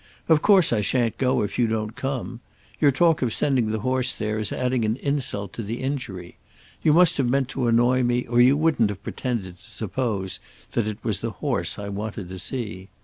Of course I shan't go if you don't come. Your talk of sending the horse there is adding an insult to the injury. You must have meant to annoy me or you wouldn't have pretended to suppose that it was the horse I wanted to see.